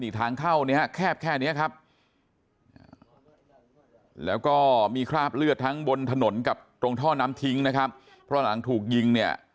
ทางเข้าเนี่ยแคบแค่นี้ครับแล้วก็มีคราบเลือดทั้งบนถนนกับตรงท่อน้ำทิ้งนะครับเพราะหลังถูกยิงเนี่ย